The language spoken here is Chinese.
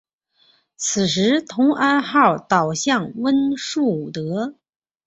此时同安号倒向温树德。